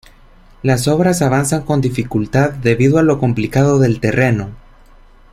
Las obras avanzan con dificultad, debido a lo complicado del terreno.